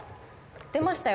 出ましたよ